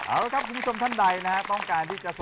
เอาละครับคุณผู้ชมท่านใดนะฮะ